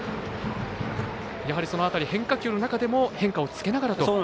やはりその辺り、変化球の中でも変化をつけながらと。